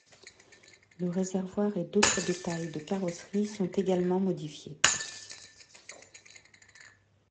Le réservoir et d'autres détails de carrosserie sont également modifiés.